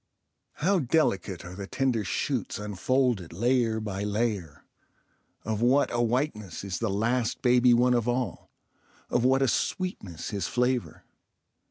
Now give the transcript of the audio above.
How delicate are the tender shoots unfolded layer by layer. Of what, a whiteness is the last baby one of all, of what a sweetness his flavour.